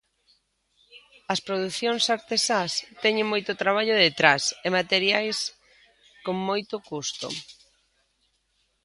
As producións artesás teñen moito traballo detrás e materiais con moito custo.